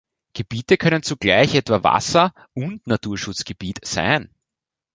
Gebiete können zugleich etwa Wasser- und Naturschutzgebiet sein.